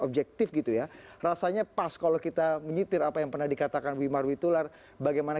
objektif gitu ya rasanya pas kalau kita menyetir apa yang pernah dikatakan wimar witular bagaimana